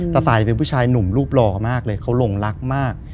ตายเป็นผู้ชายหนุ่มรูปหล่อมากเลยเขาหลงรักมาก